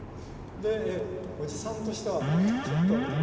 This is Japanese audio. でおじさんとしてはちょっとあれかな